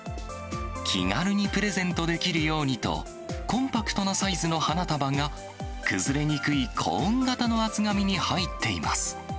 気軽にプレゼントできるようにと、コンパクトなサイズの花束が、崩れにくいコーン型の厚紙に入っています。